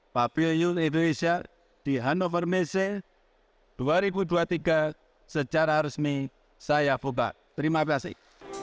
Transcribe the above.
pavilion indonesia di hannover messe dua ribu dua puluh tiga secara resmi saya buka terima kasih